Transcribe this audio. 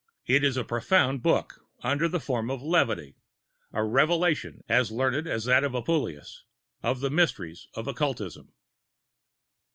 It is a profound book, under the form of levity, a revelation as learned as that of Apuleius, of the Mysteries of Occultism.